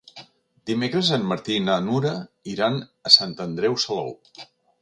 Dimecres en Martí i na Nura iran a Sant Andreu Salou.